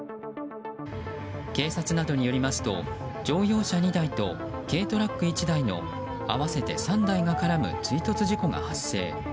警察などによりますと乗用車２台と軽トラック１台の合わせて３台が絡む追突事故が発生。